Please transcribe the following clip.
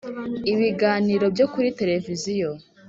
Ibiganiro byo kuri tereviziyo